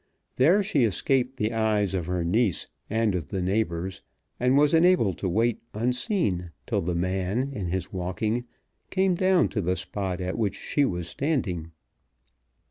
There she escaped the eyes of her niece and of the neighbours, and was enabled to wait unseen till the man, in his walking, came down to the spot at which she was standing.